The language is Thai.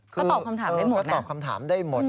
ก็ตอบคำถามได้หมด